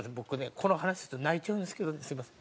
この話すると泣いちゃうんですけどねすみません。